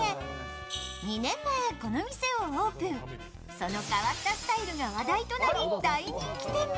その変わったスタイルが話題となり大人気店に。